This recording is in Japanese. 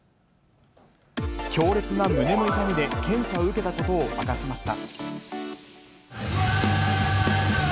強烈な胸の痛みで検査を受けたことを明かしました。